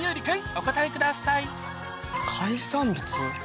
お答えください海産物？